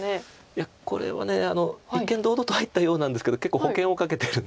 いやこれは一見堂々と入ったようなんですけど結構保険をかけてるんです。